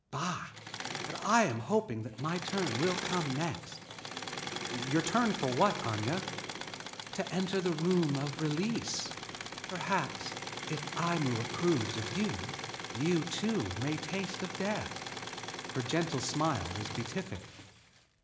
Bah! But I am hoping that my turn will come next." "Your turn for what, Aña?" "To enter the Room of Release. Perhaps, if Aimu approves of you, you, too, may taste of death." Her gentle smile was beatific.